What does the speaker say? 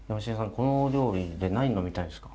このお料理で何呑みたいですか？